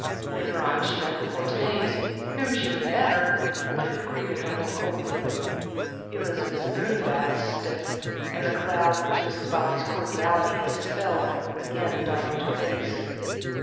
Later on she met the Courtenays, whom she knew better, but who greeted her more coldly. Elizabeth's own bow was stiff, and the cloud which Mrs. Bobby's cordiality had dispelled, again darkened her face.